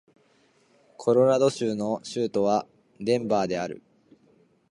コロラド州の州都はデンバーである